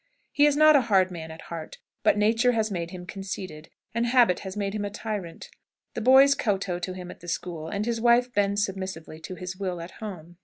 He is not a hard man at heart, but nature has made him conceited, and habit has made him a tyrant. The boys kotoo to him in the school, and his wife bends submissively to his will at home.